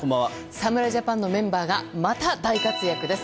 侍ジャパンのメンバーがまた大活躍です。